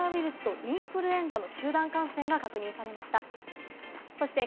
福岡で新型コロナウイルスとインフルエンザの同時集団感染が確認されました。